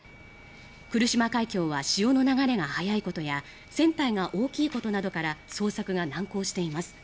来島海峡は潮の流れが速いことや船体が大きいことなどから捜索が難航しています。